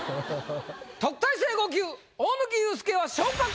特待生５級大貫勇輔は。